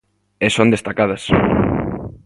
E son destacadas.